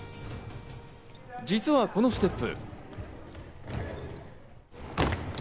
実はこのステップ。